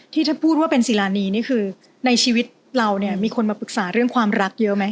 ที่ถ้าพูดว่าเป็นศิลานีนี่คือในชีวิตเราเนี่ยมีคนมาปรึกษาเรื่องความรักเยอะไหม